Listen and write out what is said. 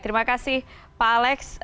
terima kasih pak alex